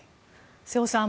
瀬尾さん